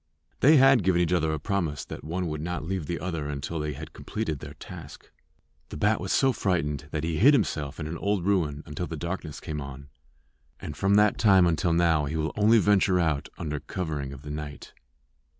They had given each other a promise that one would not leave the other until they had completed their task. The bat was so frightened that he hid himself in an old ruin until the darkness came on; and from that time until now he will only venture out under covering of the night.